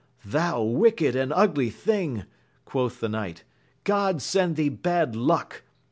Thou wicked and ugly thing, quoth the knight, God send thee bad luck